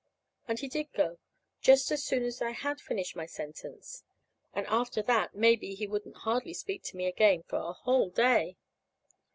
And he did go, just as soon as I had finished my sentence. And after that, maybe, he wouldn't hardly speak to me again for a whole day.